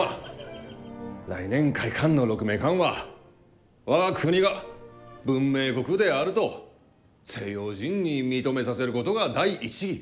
来年開館の鹿鳴館は我が国が文明国であると西洋人に認めさせることが第一義。